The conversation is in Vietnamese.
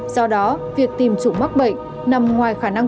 do đó việc tìm chủng mắc bệnh nằm ngoài khả năng